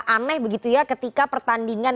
aneh begitu ya ketika pertandingan